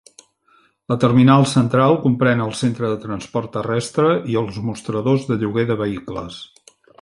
La terminal central comprèn el centre de transport terrestre i els mostradors de lloguer de vehicles.